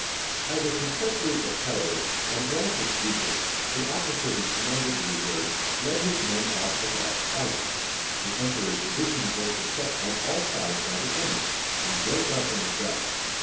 Either from treachery or cowardice Andronicus Ducas, the officer who commanded the reserve, led his men off without fighting. The Emperor's division was beset on all sides by the enemy, and broke up in the dusk.